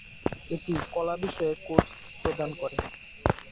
এটি কলা বিষয়ে কোর্স প্রদান করে।